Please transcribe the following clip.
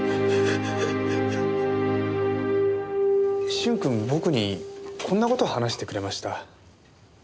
駿君僕にこんな事を話してくれました。